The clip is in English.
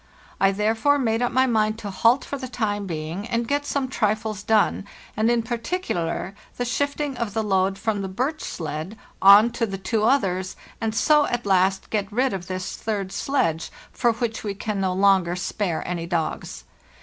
I therefore made up my mind to halt for the time being and get some trifles done, and in particular the shifting of the load from the birch sledge on to the two others, and so at last get rid of this third sledge, for which we can no longer spare any dogs.